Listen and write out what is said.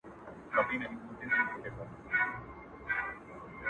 o چي ډېر غواړي جنگونه، هغه ډېر کوي ودونه٫